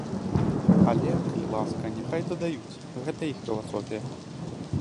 Але, калі ласка, няхай дадаюць, гэта іх філасофія.